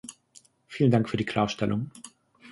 Vielen Dank für die Klarstellung.